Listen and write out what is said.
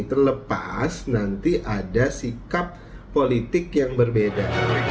terlepas nanti ada sikap politik yang berbeda